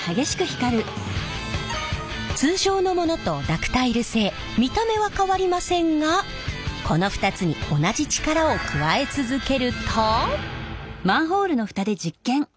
通常のものとダクタイル製見た目は変わりませんがこの２つに同じ力を加え続けると。